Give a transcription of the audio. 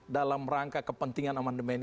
dalam rangka kepentingan amandemen